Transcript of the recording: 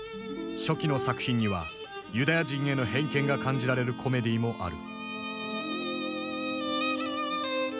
初期の作品にはユダヤ人への偏見が感じられるコメディーもある。